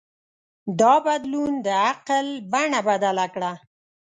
دا بدلون د عقل بڼه بدله کړه.